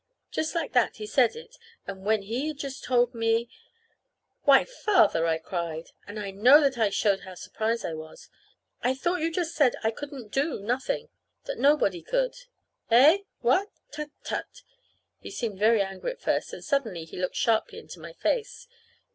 Just like that he said it; and when he had just told me "Why, Father!" I cried; and I know that I showed how surprised I was. "I thought you just said I couldn't do nothing that nobody could!" "Eh? What? Tut, tut!" He seemed very angry at first; then suddenly he looked sharply into my face.